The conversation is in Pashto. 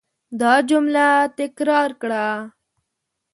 دا جمله تکرار کړه.